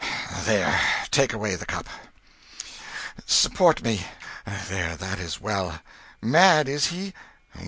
... There, take away the cup. ... Support me. There, that is well. Mad, is he?